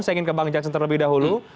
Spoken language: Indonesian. saya ingin ke bang jansen terlebih dahulu